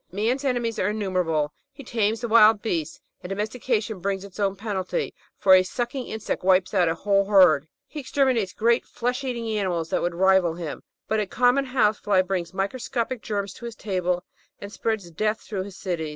Man's enemies are innimierable ; he tames the wild beasts, and domestication brings its own penalty, for a sucking insect wipes out a whole herd ; he exterminates great flesh eating animals that would rival him, but a common house fly brings microscopic germs to his table and spreads death through his cities.